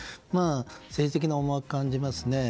政治的な思惑を感じますね。